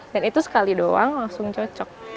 dan itu sekali doang langsung cocok